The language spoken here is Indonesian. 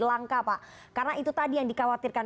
langka pak karena itu tadi yang dikhawatirkan